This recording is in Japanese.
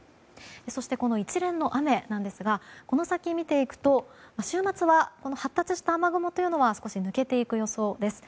そしてこの一連の雨なんですがこの先、見ていくと週末は、発達した雨雲は少し抜けていく予想です。